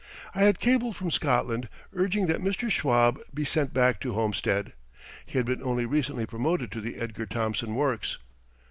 I had cabled from Scotland urging that Mr. Schwab be sent back to Homestead. He had been only recently promoted to the Edgar Thomson Works.